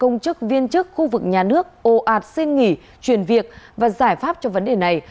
công chức viên chức khu vực nhà nước ồ ạt xin nghỉ chuyển việc và giải pháp cho vấn đề này